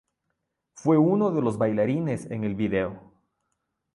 Fue uno de los bailarines en el vídeo.